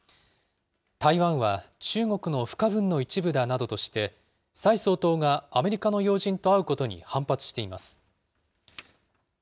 台湾は中国の不可分の一部だなどとして、蔡総統がアメリカの要人と会うことに反発しています。